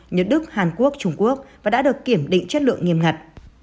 nhật đức hàn quốc trung quốc và đã được kiểm định chất lượng nghiêm ngặt